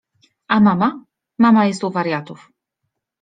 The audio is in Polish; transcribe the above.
— A mama? — Mama jest u wariatów.